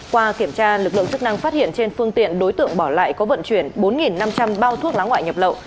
qua kiểm tra lực lượng chức năng phát hiện trên phương tiện đối tượng bỏ lại có vận chuyển bốn năm trăm linh bao thuốc lá ngoại nhập lậu